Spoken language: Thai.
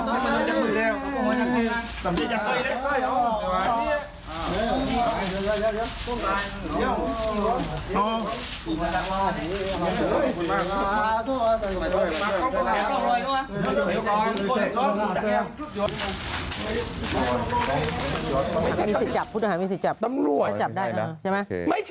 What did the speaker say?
โดนแผดก็เป็นผู้เสพอยู่ดีกันเป็นผู้จำหน่ายรายใหญ่เป็นละ๙๖๐๐เมตร